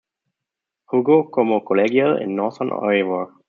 Jugo como colegial en Northern Iowa.